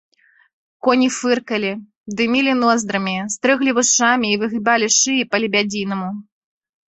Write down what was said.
Коні фыркалі, дымілі ноздрамі, стрыглі вушамі і выгібалі шыі па-лебядзінаму.